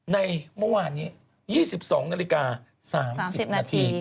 ในเมื่อวานนี้๒๒นาฬิกา๓๐นาที